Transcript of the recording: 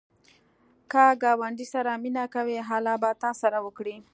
که ګاونډي سره مینه کوې، الله به تا سره وکړي